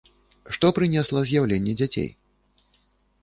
Што прынесла з'яўленне дзяцей?